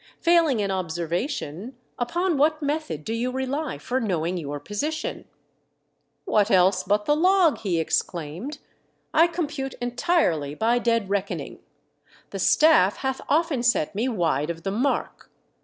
Failing an observation, upon what method do you rely for knowing your position ?" "What else but the log?" he exclaimed. " I compute entirely by dead reckoning. The staff hath often set me wide of the mark.